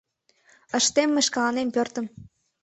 Ыштем мый шкаланем пӧртым.